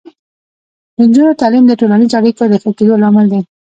د نجونو تعلیم د ټولنیزو اړیکو د ښه کیدو لامل دی.